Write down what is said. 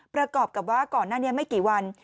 ประกอบกับว่าก่อนหน้านี้ไม่กี่วัน